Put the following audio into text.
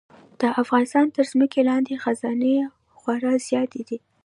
د افغانستان تر ځمکې لاندې خزانې خورا زیاتې دي.